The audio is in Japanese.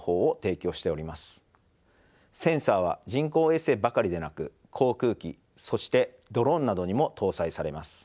センサは人工衛星ばかりでなく航空機そしてドローンなどにも搭載されます。